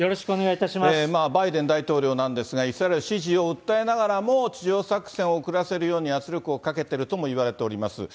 バイデン大統領なんですが、イスラエル支持を訴えながらも、地上作戦を遅らせるように圧力をかけているとも言われております。